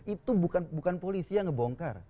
itu bukan polisi yang ngebongkar